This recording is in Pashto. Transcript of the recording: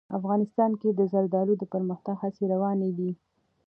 افغانستان کې د زردالو د پرمختګ هڅې روانې دي.